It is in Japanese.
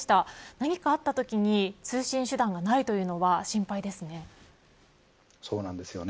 何かあったときに通信手段がないそうなんですよね。